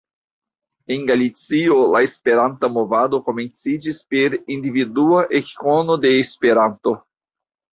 En Galicio la Esperanta movado komenciĝis per individua ekkono de Esperanto.